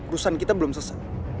rusan kita belum sesat